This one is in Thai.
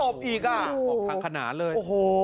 ออกขากขณะเลย